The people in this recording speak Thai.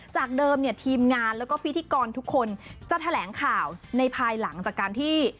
จากเดิมเนี่ยทีมงานแล้วก็พิธีกรทุกคนจะแถลงข่าวในภายหลังจากการที่